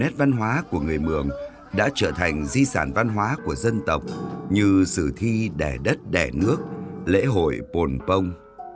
lễ hội của người mường đã trở thành di sản văn hóa của dân tộc như sử thi đẻ đất đẻ nước lễ hội bồn bông